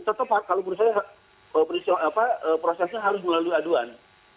tetap tepat kalau menurut saya prosesnya harus melalui aduan